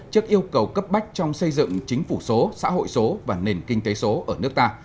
trước yêu cầu cấp bách trong xây dựng chính phủ số xã hội số và nền kinh tế số ở nước ta